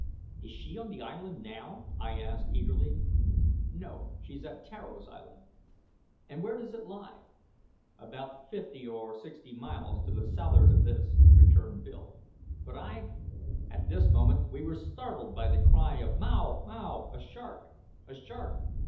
"Is she on the island now?" I asked eagerly. "No; she's at Tararo's island." "And where does it lie?" "About fifty or sixty miles to the south'ard o' this," returned Bill; "but I " At this moment we were startled by the cry of "mao! mao a shark! a shark!"